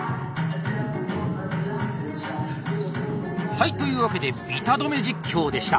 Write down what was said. はいというわけでビタどめ実況でした。